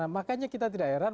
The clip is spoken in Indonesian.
makanya kita tidak erat